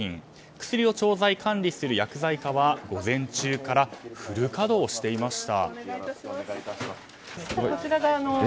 薬を調剤、管理する薬剤科は午前中からフル稼働していました。